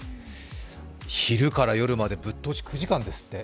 昼から夜までぶっ通し９時間ですって。